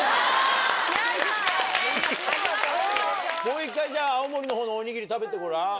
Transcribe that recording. もう一回じゃ青森のほうのおにぎり食べてごらん。